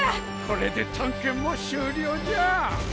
これで探検も終了じゃ。